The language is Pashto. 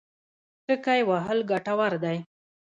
ټکی وهل ګټور دی.